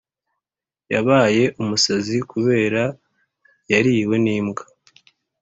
Yabaye umusazi kubera yariwe n’imbwa